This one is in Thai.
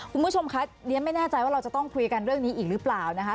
คุณผู้ชมคะเรียนไม่แน่ใจว่าเราจะต้องคุยกันเรื่องนี้อีกหรือเปล่านะคะ